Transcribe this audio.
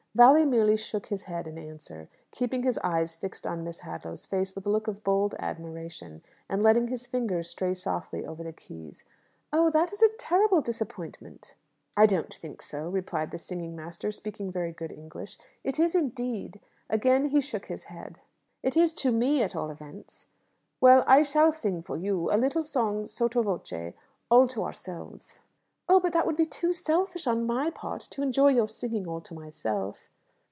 Valli merely shook his head in answer, keeping his eyes fixed on Miss Hadlow's face with a look of bold admiration, and letting his fingers stray softly over the keys. "Oh, that is a terrible disappointment!" "I don't think so," replied the singing master, speaking very good English. "It is, indeed." Again he shook his head. "It is to me, at all events." "Well, I shall sing for you; a little song sotto voce, all to ourselves." "Oh, but that would be too selfish on my part, to enjoy your singing all to myself."